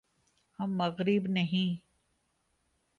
ہم مغرب نہیں۔